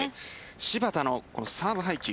芝田のサーブ配球。